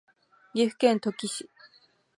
岐阜県土岐市